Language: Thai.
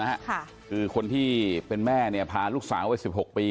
นะฮะคือคนที่เป็นแม่เนี่ยพารุกสาวประวัติสิบหกปี